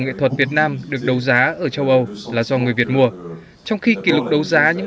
nghệ thuật việt nam được đấu giá ở châu âu là do người việt mua trong khi kỷ lục đấu giá những